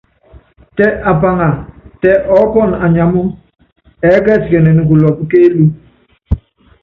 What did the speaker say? Tɛ apaŋa, tɛ ɔɔ́pɔnɔ anyamɔ́, ɛɛ́kɛsikɛnɛn kulɔ́pɔ kéelúku.